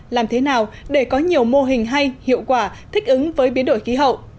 làm thế nào để có nhiều mô hình hay hiệu quả thích ứng với biến đổi khí hậu